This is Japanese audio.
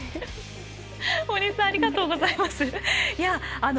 大西さんありがとうございます。